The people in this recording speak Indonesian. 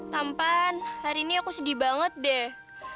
tampan hari ini aku sedih banget deh